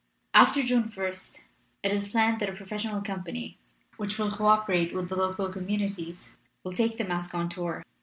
After June ist it is planned that a professional company, which will co operate with the local communities, will take the masque on tour.